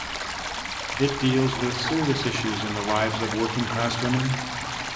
It deals with serious issues in the lives of working-class women.